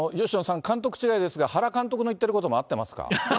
吉野さん、監督違いですが、原監督の言ってることも合ってますか？